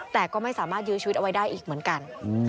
แต่ก็ไม่สามารถยื้อชีวิตเอาไว้ได้อีกเหมือนกัน